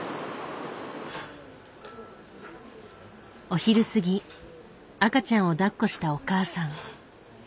お昼過ぎ赤ちゃんを抱っこしたお母さん。